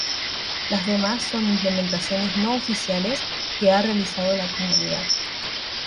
Las demás son implementaciones no oficiales que ha realizado la comunidad.